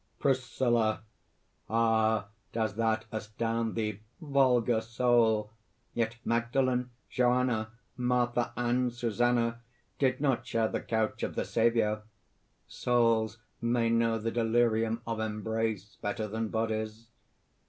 PRISCILLA. "Ah! does that astound thee, vulgar soul! Yet Magdalen, Johanna, Martha and Susannah did not share the couch of the Saviour. Souls may know the delirium of embrace better than bodies.